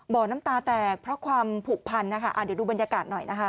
น้ำตาแตกเพราะความผูกพันนะคะเดี๋ยวดูบรรยากาศหน่อยนะคะ